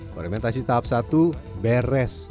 fermentasi tahap satu beres